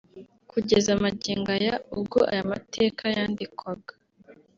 Kugeza magingo aya ubwo aya mateka yandikwaga